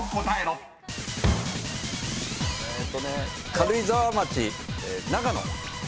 軽井沢町長野。